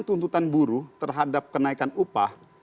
tuntutan buruh terhadap kenaikan upah